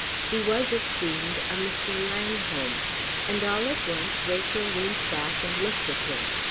He was, it seemed, a Mr. Langholm; and all at once Rachel leant back and looked at him.